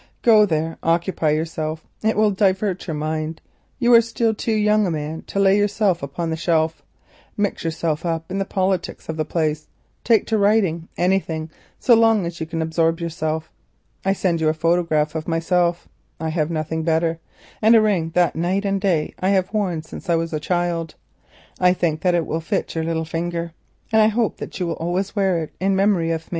Go there and occupy yourself, it will divert your mind—you are still too young a man to lay yourself upon the shelf—mix yourself up with the politics of the place, take to writing; anything, so long as you can absorb yourself. I sent you a photograph of myself (I have nothing better) and a ring which I have worn night and day since I was a child. I think that it will fit your little finger and I hope you will always wear it in memory of me.